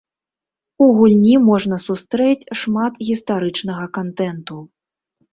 У гульні можна сустрэць шмат гістарычнага кантэнту.